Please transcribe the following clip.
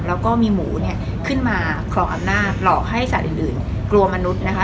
แล้วก็มีหมูเนี่ยขึ้นมาครองอำนาจหลอกให้สัตว์อื่นกลัวมนุษย์นะคะ